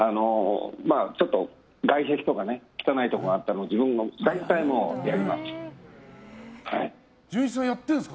ちょっと外壁とか汚いところがあったら自分が大体やります。